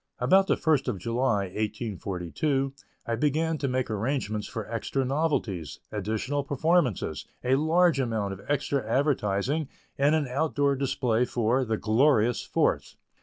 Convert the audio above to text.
About the first of July, 1842, I began to make arrangements for extra novelties, additional performances, a large amount of extra advertising, and an outdoor display for the "Glorious Fourth."